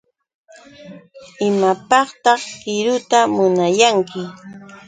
¿Imapaqtaq qiruta munayanki?